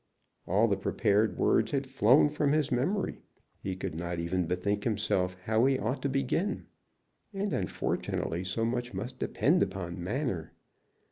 All the prepared words had flown from his memory. He could not even bethink himself how he ought to begin. And, unfortunately, so much must depend upon manner!